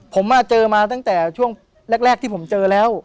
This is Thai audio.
ผมเจอมาตั้งแต่ช่วงแรกที่ผมเจอแล้ว